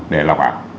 để lọc án